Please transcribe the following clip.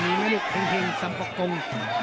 มีมายุดเพลิงสำคกรง